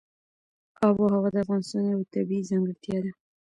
آب وهوا د افغانستان یوه طبیعي ځانګړتیا ده.